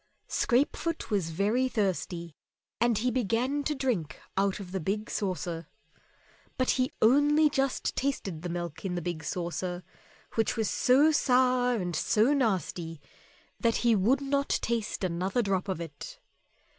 Scrapefoot was very thirsty, and he began to drink out of the big saucer. But he only just tasted the milk in the big saucer, which was so sour and so nasty that he would not taste another drop of it.